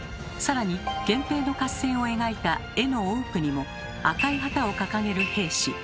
さらに源平の合戦を描いた絵の多くにも赤い旗を掲げる平氏